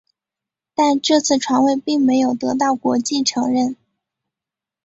但这次传位并没有得到国际承认。